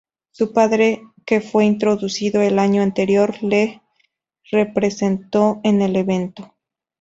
Su padre, que fue introducido el año anterior, le representó en el evento.